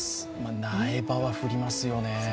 苗場は降りますよね。